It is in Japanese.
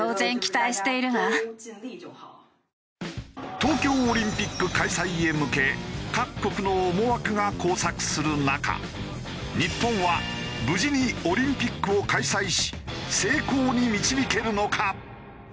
東京オリンピック開催へ向け各国の思惑が交錯する中日本は無事にオリンピックを開催し成功に導けるのか？